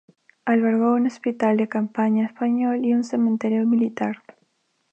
Albergó un hospital de campaña español y un cementerio militar.